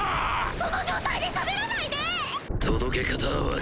その状態でしゃべらないで！